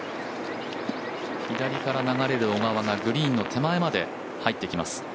左から流れる小川がグリーンの手前まで入っています。